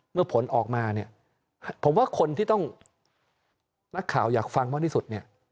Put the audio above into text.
เมื่อผลออกมาผมว่าคนที่ต้องนักข่าวอยากฟังมากที่สุด